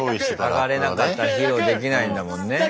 上がれなかったら披露できないんだもんね。